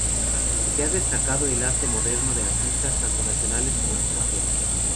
Se ha destacado el arte moderno de artistas tanto nacionales como extranjeros.